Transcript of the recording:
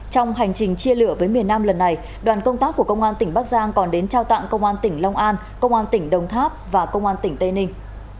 trong hành trình chia lửa với miền nam lần này đoàn công tác của công an tỉnh bắc giang còn đến trao tặng công an tỉnh long an công an tỉnh đồng tháp và công an tỉnh tây ninh